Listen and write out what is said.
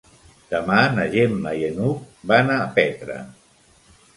Demà na Gemma i n'Hug van a Petra.